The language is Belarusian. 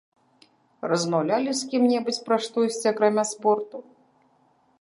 Размаўлялі з кім-небудзь пра штосьці, акрамя спорту?